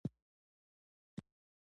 چي حملې نه له پردیو وي نه خپلو